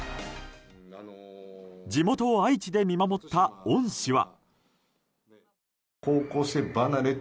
地元・愛知で見守った恩師は。